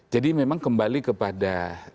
jadi memang kembali kepada